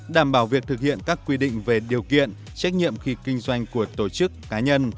đảm bảo việc thực hiện các quy định về điều kiện trách nhiệm khi kinh doanh của tổ chức cá nhân